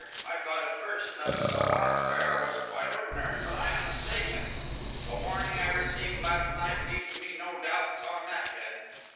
I thought at first that the Dollon affair was quite ordinary; but I am mistaken. The warning I received last night leaves me no doubts on that head.